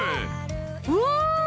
・うわ！